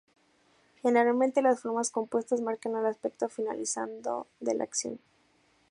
Generalmente las formas compuestas marcan el aspecto finalizado de la acción.